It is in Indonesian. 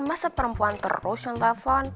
masa perempuan terus yang telfon